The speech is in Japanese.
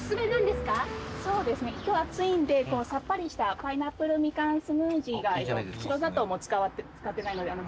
今日暑いんでさっぱりしたパイナップルみかんスムージーが白砂糖も使ってないので。